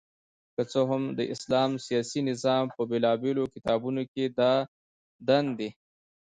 که څه هم د اسلام سياسي نظام په بيلابېلو کتابونو کي دا دندي